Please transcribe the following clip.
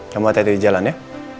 kamu hati hati di jalan ya